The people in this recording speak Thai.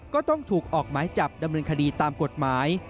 ก็ต้องถูกออกหมายจับดำเนินคดีตามกฎหมาย